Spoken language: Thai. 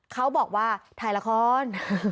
เขาบอกว่าถ่ายละคร